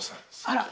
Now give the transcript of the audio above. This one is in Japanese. あら。